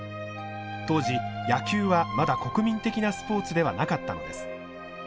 当時野球はまだ国民的なスポーツではなかったのです。